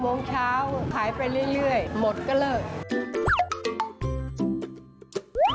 โมงเช้าขายไปเรื่อยหมดก็เลิก